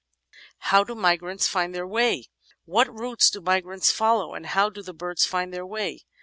How do Migrants Find their Way? What routes do migrants follow, and how do the birds find their way?